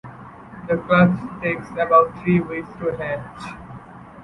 The clutch takes about three weeks to hatch.